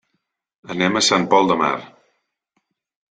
Anem a Sant Pol de Mar.